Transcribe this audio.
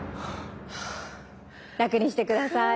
楽にして下さい。